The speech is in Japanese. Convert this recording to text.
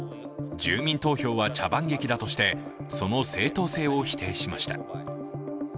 住民投票は茶番劇だとしてその正当性を否定しました。